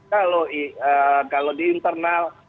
kalau di internal